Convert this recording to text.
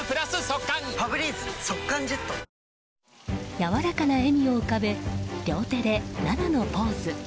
やわらかな笑みを浮かべ両手で「七」のポーズ。